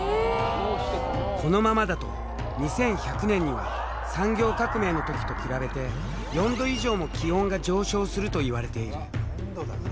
このままだと２１００年には産業革命の時と比べて４℃以上も気温が上昇するといわれている。